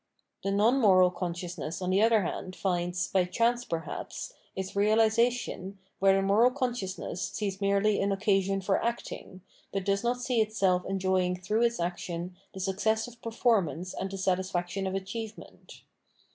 The non moral consciousness on the other hand finds, by chance perhaps, its realisa 612 Phenomenology of Mind tion where the moral consciousness sees merely an occa sion for acting, but does not see itself enjoying through its action the success of performance and the satisfaction of achievement.